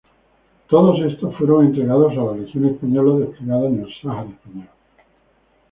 Todos estos fueron entregados a la Legión Española desplegada en el Sáhara Español.